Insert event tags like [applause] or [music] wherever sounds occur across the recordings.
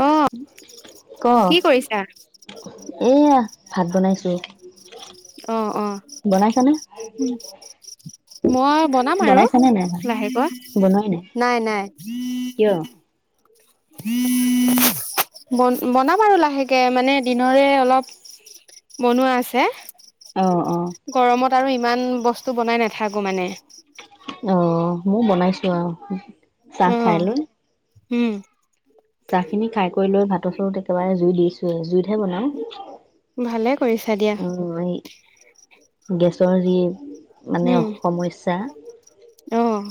অ ক? কি কৰিছা এয়া ভাত বনাইছো অ অ বনাইছানে মই, বনাম আৰু বনাইছানে নাই ভাত? লাহেকৈ নাই নাই কিয়? ন বনাম আৰু লাহেকে মানে দিনৰে অলপ বনোৱা আছে অ', অ'। গৰমত আৰু ইমান বস্তু বস্তু বনাই নাথাকোঁ মানে হয় [unintelligible] অ মই বনাইছো আৰু, চাহ অ খাই লৈ উম চাহ খিনি খাই কৰি লৈ ভাতৰ চৰুত একেবাৰে জুই দিছোে জুইতহে বনাও ভালে কৰিছা দিয়া গেছৰ যি মানে সমস্যা আহ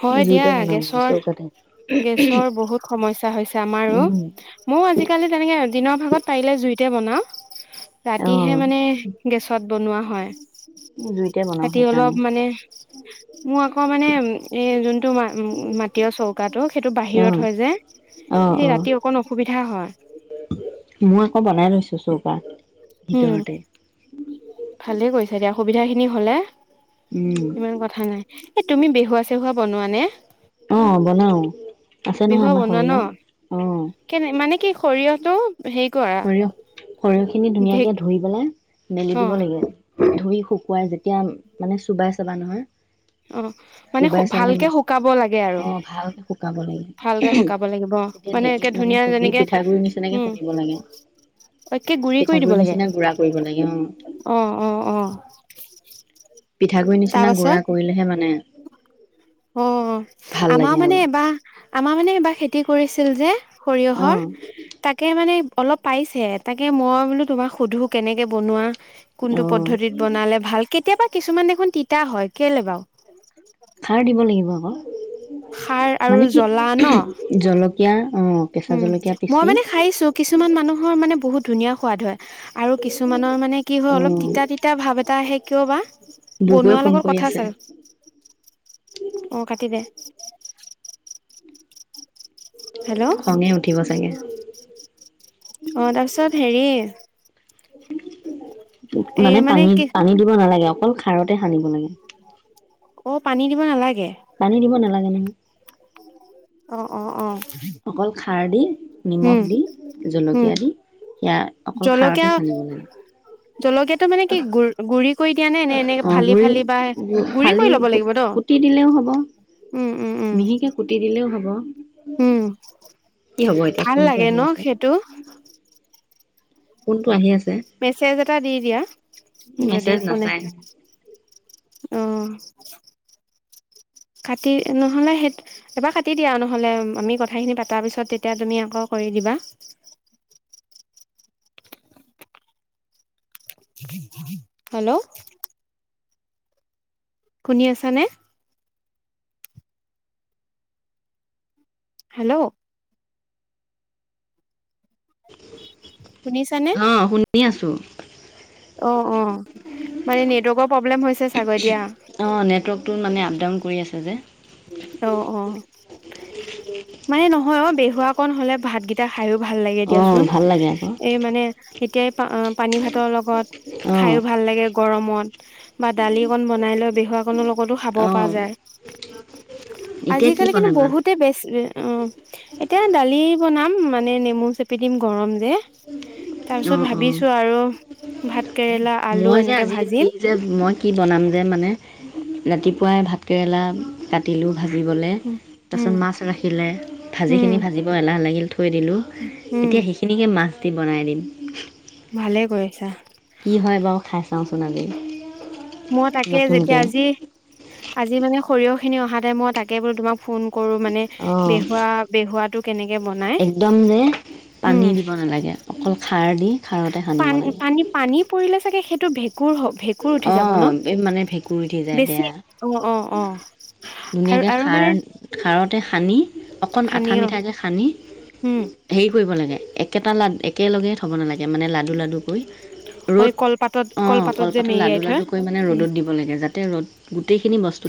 হয় দিয়া জুইতে বনাও মই গেছৰ চৌকাতে গেছৰ বহুত সমস্যা হৈছে আমাৰো উম, ময়ো আজিকালি তেনেকে দিনৰ ভাগত পাৰিলে জুইতে বনাওঁ ৰাতিহে অ'। মানে গেছত বনোৱা হয় উ জুইতে বনাও ৰাতি সেইকাৰণে। অলপ মানে মোৰ আকৌ মানে এ যোনটো ম মাটি চৌকাটো সেইটো বাহিৰত অ', হয় যে অ', সেই অ', ৰাতি অকন অসুবিধা হয় চৌখা উম ভালে কৈছ তেতিয়া সুবিধাখিনি হলে উম। ইমান কথা নাই। এ তুমি বেহুৱা চেহুৱা বনোৱা নে অ বনাও আছে নহয় বেহুৱা আমাৰ বনোৱা ন সৰিয়হ অ কেনে মানে কি সৰিয়হটো হেৰি কৰা সৰিয়হ সৰিয়হ খিনিত ঢেক ধুনীয়াকে ধুই পেলাই মেলি অ দিব লাগে ধুই শুকুৱাই যেতিয়া মানে চুবাই চাবা নহয় অ মানে চোবাই চালে ভালকে মচ শুকাব লাগে আৰু অ', ভালকে শুকাব লাগে ভালকে শুকাব লাগিব অ তেতিয়া মানে একে ঢেঁকীত ধুনীয়া খুন্দি যেনেকে পিঠাগুৰি নিচিনাকে উম খুন্দিব লাগে একে পিঠাগুৰি নিচিনা গুডা কৰিব লাগে অ আহ আহ আহ পিঠাগুড়ি নিচিনা গুডৰা কৰিলেহে মানে উ উ আমাৰ মানে এবাৰ আমাৰ মানে এবাৰ খেতি কৰিছিল যে সৰিয়হৰ অ', তাকে মানে অলপ পাইছে তাকে মই বোলো তোমাক সোধো কেনেকে বনোৱা কোনটো অ', পদ্ধতিত বনালে ভাল কেতিয়াবা কিছুমান দেখোন তিতা হয় কেলে বাও কিবা আকৌ সাৰ আৰু মানে কি জ্বলা ন জলকীয়া অ কেঁচা উম জলকীয়া মই পিচি মানে খাইছো কিছুমান মানুহৰ মানে। মানে বহুত ধুনীয়া সোৱাদ হয়। আৰু কিছুমানৰ, মানে, কি হয়, অলপ অ', তিতা-তিতা ভাব এটা আহে কিয় বা? বুবুৱে বনোৱাৰ ফোন লগত কৰি কথা আছে, আৰু অ', কাটি দে হেল্ল', অ'। খঙে উঠিব চাগে। তাৰ পিছত, হেৰি [unintelligible] এই মানে পানী, কি পানী দিব নালাগে অকল খাৰতেই সানিব লাগে। অ', পানী দিব নালাগে পানী দিব নালাগে নহয় [unintelligible] অ', অ', অ'। অকল খাৰ দি, নিমখ উম, দি, উম, জলকীয়া দি, সেয়া অকল জলকীয়া খাৰতেই সানিব জলকীয়াটো মানে কি লাগে। গুৰ গুৰি কৰি দিয়া নে? নে, এনেকে অ গুৰি ফালি-ফালি বা গুৰি ফালি কৰি ল'ব লাগিব ন? কুটি দিলেও হ'ব উম, উম, উম। ব উম। ভাল ফোনটো লাগে আহি ন? আছে সেইটো ফোনটো আহি আছে মেছেজ এটা দি দিয়া, যদি মেছেজ ফোনে নাচায় আহিছে অঁ, কাটি। নহ'লে, সেই এবাৰ কাটি দিয়া। আৰু নহ'লে, আমি কথাখিনি পাতাৰ পিছত, তেতিয়া তুমি আকৌ কৰি দিবা হেল্ল' শুনি আছানে? হেল্ল' [unintelligible] অ', শুনি আছোঁ। ছো অ', অ'। মানে, নেটৱৰ্কৰ প্ৰব্লেম হৈছে চাগৈ দিয়া। অ', নেটৱৰ্কটো, মানে আপ-ডাউন কৰি আছে যে অ', অ'। মানে নহয়। অ', বেহুৱাকণ হ'লে, ভাতকেইটা খায়ো ভাল লাগে অ দিয়াচোন। ভাল লাগে আকৌ এই মানে এতিয়াই, আ, পানীভাতৰ লগত খায়ো ভাল লাগে গৰমত, বা, দালি অকণ বনাই লৈ, বেহুৱকণৰ লগতো খাব অ পাৰা অ যায়। এতিয়া কি আজিকালি, কিন্তু, বনাবা? বহুতে বেছে অ', এতিয়া দালি বনাম। মানে নেমু চেপি দিম, গৰম যে তাৰ পিছত অ', অ'। ভাবিছো আৰু ভাত কেৰেলা আলু মই যে এনেকে আজি কি ভাজিম যে মই কি বনাম যে মানে ৰাতিপুৱাই ভাতকৰেলা কাটিলোঁ ভাজিবলৈ উম তাৰপিছত মাছ ৰাখিলে উম ভাজিখিনি ভাজিব এলাহ লাগিল থৈ দিলোঁ উম এতিয়া সেইখিনিকে মাছ। বনাই দিম। ভালে কৰিছা। কি হয় বাৰু খাই চাওঁচোন আজি মই তাকে যেতিয়া নতুনকে। আজি আজি মানে সৰিয়হখিনি অহাতে মই তাকে তোমাক ফোন কৰো মানে অ', বেহুৱা বেহুৱাতো একদম যে পানী উম দিব নালাগে অকল খ পান পানী পানী পৰিলে চাগে টো ভেট অ এই মানে ভেকুুৰী উ দি যায় বেছি বেয়া অ অ অ আৰু ধুনীয়াকে আৰু মানে খাৰ খাৰতে সানি অকণ খানি আঠা অ মিঠাকে সানি উম হেৰি কৰিব লাগে একেটা লাড একেলগেই থ'ব নালাগে মানে লাডু লাডু কৈ হয় ৰ'দ কলপাতত অ কলপাতত অকল যে পাতত লাডু মেৰিয়াই লডু থয় কৰি মানে ৰ'দ উম দিব লাগে যাতে ৰ' গোটেইখিনি বস্তু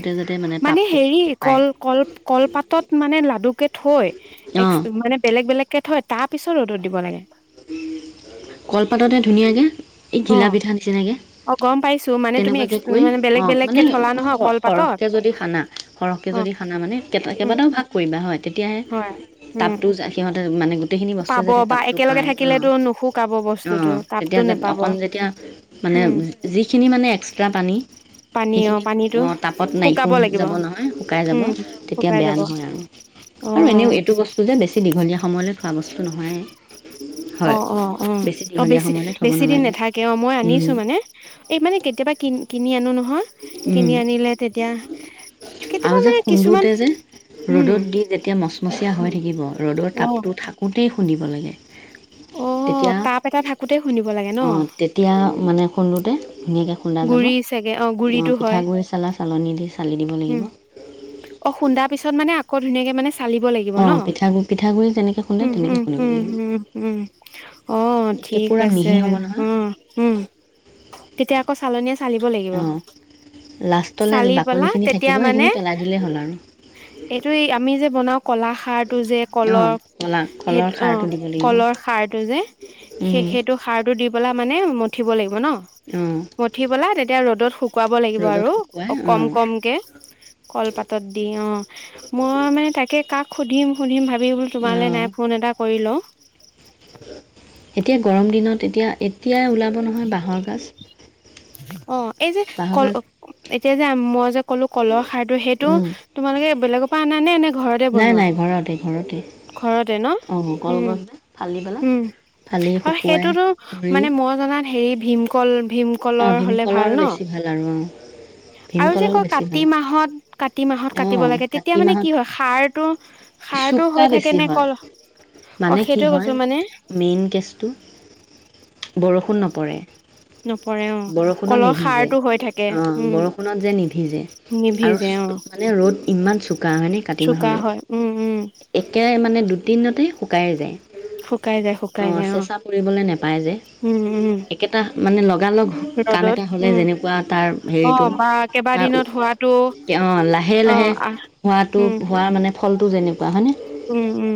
মানে হেৰি কল কল কলপাতত মানে লাডুকেইটা। অঁ থৈ মানে বেলেগ বেলেগ। তাকে থয় তাৰ পিছত ৰ'দত দিব লাগে। কলপাততে ধুনীয়াকে এই অ ঘিলা পিঠা নিচিনাগে অ গম পাইছো মানে তুমি এক্স তেনেকুৱাকে কৰি মানে অ বেলেগ মানে বেলেগকে থলা নহয় কলপাতত সৰহকে যদি সানা সৰহকে অ যদি সানা মানে উম কেইবাটাও ভাগ কৰিবা হয় তেতিয়াহে হয় উম টাবতটো সিহঁতে মানে গোটেইখিন বস্তুু পাব যাতে বা তাপটো একেলগে অ থাকিলেতো নুশুকাব অ বস্তুটো তাপতো তেতিয়া নেপাব অকল যেতিয়া মানে উম যিখিনি মানে। যা পানী। পানী অ সেইখিনি পানীটো আহ তাপত নাই শুকাব শুহি লাগিব যাব নহয় শুকাই যাব উম তেতিয়া শুকাই বেয়া যাব নহয় আৰু অ আৰু এনেও এইটো বস্তু যে বেছি দীঘলীয়া সময়লে থোৱা বস্তু সটো নহয়। অ হয় অ অ অ দীঘলীয়া বেছি সময়লৈ থ'ব বেছি দিন নালাগে নাথাকে। অ মই উম, আনিছো মানে এই মানে কেতিয়াবা কিন কিনি আনো নহয়। উম কিনি আনিলে তেতিয়া কেতিয়াবা আৰু যে মানে কিছুমান খুন্দোতে যে উম ৰ'দত দি যেতিয়া মচু। হৈ থাকিব। ৰ'দৰ অ তাপটো থাকোঁতেই শুন্দিব লাগে। অ তেতিয়া তাপ এটা থাকোতে খুন্দিব লাগে ন অ তেতিয়া মানে সুন্দ [unintelligible] ধুনীয়াকৈ খোন্দা যাব। গুৰি চাগে অ গুৰিটো পিঠা হয় গুডৰি চালা চালনী উম অ খুন্দা পিছত মানে আকৌ ধুনীয়াকে ফালিব লাগিব অঁ ন পিঠাগুড়ি পিঠাগুড়ি যেনেকৈ খুন্দে তেনেকৈ খুন্দিব লাগিব উম-উম-উম-উম-উম অ একে থিক পূৰা আছে। মিহি হ'ব নহয় উম-উম তেতিয়া আকৌ চালনী অ লাষ্টলে বাকলি খিনি থাকি মান এইটো আমি যে বনাও কলা খাৰ। তোযে অঁ কলৰ কলা হে কলৰ অ খাৰটো দিব লাগিব কলৰ সাৰটো যে উম, সেইটো সাৰটো দি পেলা মানে মঠিব লাগিব। মন অঁ মুঠি পেলাই ৰ'দ ত শুকুৱাই। শুকুৱাব লাগিব ৰ'দত আৰু শুকুৱাই অ অঁ কম-কম। কলপাতত দি অ মই মানে তাকে কাক সুধিম-সুধিম ভ ভাবি বোলো তোমালে অঁ নাই ফোন এটা কৰি লওঁ। এতিয়া গৰম দিনত এতিয়া গৰম দিন উল অ এই যে, বাঁহৰ কল গাজ এতিয়া যে মই যে ক'লো কলৰ সাৰটো সেইটো। তোমালোকে বেলেগৰ পৰা নানে এনে নাই-নাই ঘৰতে-ঘৰতে ঘৰতে ন অ কলগছ উম ন ভাল উম আৰু সেইটোতো পুৰি মানে মই জনা হেৰি ভীমকল। অঁ ভীমকলৰ হলে ভাল ভীমকলৰ ন বেছি ভাল আৰু অঁ আৰু যে ভীমকলৰ কয় বেছি কাতি ভাল মাহত কাতি মাহত কাটিব অঁ লাগে তেতিয়া কাতি মানে কি মাহত হয় সাৰটো সাৰতো চুকা হৈ থাকে বেছি নে হয় কল অ মানে কি সেইটোয় কৈয়ছো। হয় মেইন কেছটো। বৰষুণ নপৰে। নপৰে অ বৰষুণত কলৰ নিভিজে সাৰটো হৈ থাকে অ উম বৰষুণত যে নিভিজে আৰু নিভিজে অ মানে ৰ'দ ইমান চোকা হয়নে কাতি চোকা হয় উম উম মাহৰদ একে মানে দু দিনতেই শুকাই যায়। শুকাই যায় শুকাই অ যায় চেচা কৰিবলৈ নোপায় যে উম উম উম একেটা মানে লগ লগালগ কাম ৰ'দত এটা হ'লে যেনেকুৱা তাৰ অ হেৰিটো বা তাৰ কেইবাদিনত হোৱাটো তেওঁ লাহে অ লাহে আহ হোৱাটো উম হোৱাৰ মানে ফলটো যেনেকুৱা হয়নে উম উম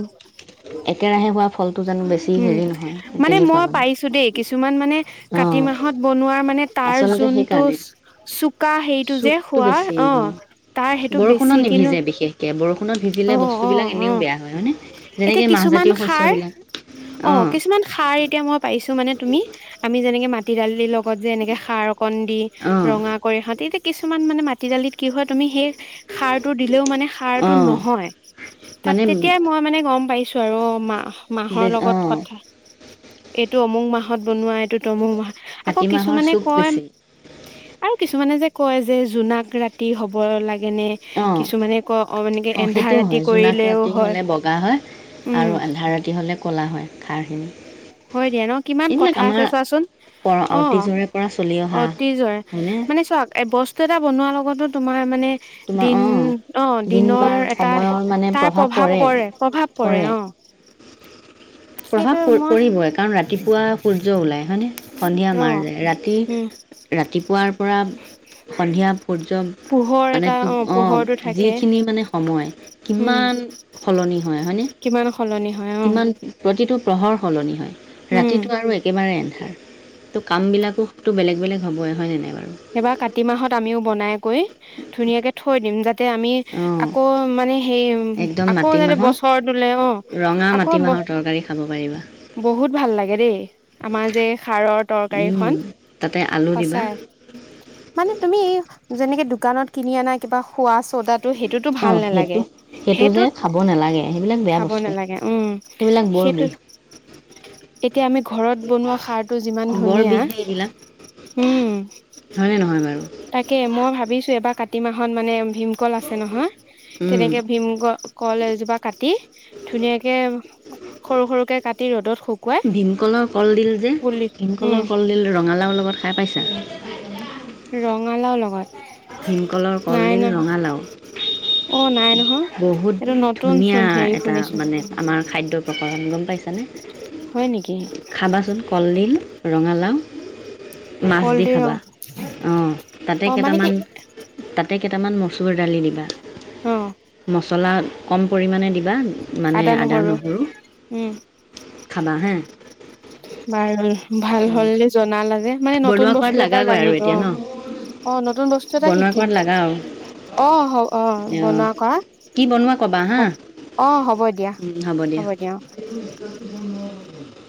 একেৰাহে হোৱা তো যেনো বেছি হেৰি নহয়েই তেনেকুৱা মানে আছো দেই কিছুমান মানে কাতি অঁ মাহত বনোৱাৰ মানে তাৰ আচলতে যোনটো সেইকাৰণে চোকা সেইটো যে চুকটো খোৱা বেছি অ অঁ তাৰ সেইটো বেছি বৰষুণত কিনু নিভিজে বিশেষকে বৰষুণত ভিজিলে অ অ বস্তুবিলাক অ এনেও বেয়া হয় হয়নে? এতিয়া যেনেকে কিছুমান মাহজাতীয় খাৰ। শস্যবিলাক অ কিছুমান সাৰ এতিয়া মই পাই পিছো মানে তুমি আমি। তেনেকে মাটি দালি লগত। লগত যে এনেকে সাৰ অকণ দি অ', ৰঙা কৰি হাতে কিছুমান মানে মাটি দালিত কি হয় তুমি সেই সাৰতটো দিলেও মানে সাৰতটো অ', নহয় তাত মানে তেতিয়াই মই মানে গম পাইছো তেৰ মাহৰ। মাহৰ লগত অ', কথা এইটো অমুং মাহ ত বনোৱা এইটো তমু ম আকৌ কাতি মাহৰ কিছুমানে চুক কয় বেছি আৰু কিছুমানে যে কয় যে জোনাক ৰাতি হ'ব লাগে। কেনে অ', কিছুমানে ক মানেকে অ', এন্ধাৰ সেইটোও ৰাতি হয় জোনাক কৰিলেও ৰাতি হয় হ'লে বগা হয় উম আৰু আন্ধা ৰাতি হ'লে ক'লা হয় খাৰখিনি হয় দিয়া ন কিমান এইবিলাক কথা আছে আমাৰ চোৱাচোন পৰা অ অতীজৰে পৰা চলি অহা অতি জৰে হয়নে মানে চোৱা বস্তু এটা বনোৱা লগতো তোমাৰ মানে তোমাৰ দিন অ', অ দিন দিনৰ বাৰ এটা সময়ৰ মানে তাৰ প্ৰভাৱ পৰে প্ৰভাৱ পৰে অ সেইটো প্ৰভাৱ মই পৰিবই কাৰণ ৰাতিপুৱা সূৰ্য ওলায় হয়নে সন্ধিয়া অ মাৰ যায় ৰাতি উম ৰাতিপুৱাৰ পৰা সন্ধিয়া সূৰ্য পোহৰ মানে এটা কি অ অঁ পোহৰটো থাকে যিখিনি মানে সময় উম কিমান সলনি হয় হয় মানে কিমান সলনি হয় অ কিমান পতিতো। প্ৰহৰ সলনি হয়। উম ৰাতিটো আৰু একেবাৰেন ত কাম বিলাকো বেলেগ বেলেগ হবই হয় জানাই বাৰু এইবাৰ কাতি মাহত আমিও বনাই। কৈ ধুনীয়াকে থৈ দিম যাতে আমি অঁ আকৌ মানে। সেই একদম আকৌ জান মাটিমাহৰ বছৰটোোলে অ ৰঙা আকৌ মাটিমাহৰ তৰকাৰী খাব পাৰিবা বহুত ভাল লাগে দেই আমাৰ যে খাৰৰ তৰকাৰী খ তাতে আলু দিবা সচাই মানে তুমি যেনেকে দোকানত কিনি অনা কিবা সোৱাচ চদটো সেইটোতো ভাল অঁ নালাগে সেইটো সেইটো যে সেইটোত খাব নালাগে সেইবিলাক বেয়া খাব বস্তু নালাগে উম সেইবিলাক বৰ বিষ সেইটোত এতিয়া আমি ঘৰত বনোৱা সাৰটো যিমান বৰ ধুনীয়া বিষহে এইবিলাক হম। হয়নে নহয় বাৰু তাকে মই ভাবিছো এবাৰ কাতি মাহত মানে? ভীমকল আছে নহয় উম, তেনেকে ভীমকল। কল এজোপা কাটি ধুনীয়াকে সৰু সৰুকে কি ৰ'দত শুকুৱাই ভীমকলৰ কলডিল যে পুলি উম ভীমকলৰ কলডিল ৰঙালাওৰ লগত খাই পাইছো। ৰঙালাও লগত ভীমকলৰ নাই কলডিল নহ ৰঙালাও অ নাই ন বহুত ধুনীয়া এটা শুনিছো মানে আমাৰ খাদ্য প্ৰ ঘৰম গম পাইছানে? হয় নেক খাবাচোন কলডিল ৰঙালাও মাছ দি কলডিল খাবা অ তাতে অ মানে কি কেইটামান তাতে কেইটামান মচুৰ দালি দিবা। অ মছলা কম পৰিমাণে দিবা। মানে আদা নহৰু খাবা হে বাৰ ভাল হলেলে জনা লাগে। মানে নতুন বনোৱা কৰাত বস্তু এটা লাগাগৈ আৰু জানিলো অ এতিয়া ন অ নতুন বস্তু এটা বনোৱা কৰাত শিকিলো লাগা আৰু অ হ অ বনোৱা অঁ কৰা কি বনোৱা ক'বা অ হা অ হ'ব দিয়া হ'ব দিয়া অ